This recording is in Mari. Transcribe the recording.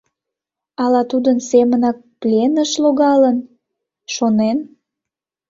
Ала тудын семынак пленыш логалын, шонен?